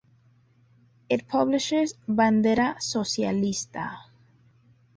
It publishes "Bandera Socialista".